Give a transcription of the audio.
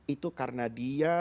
itu karena dia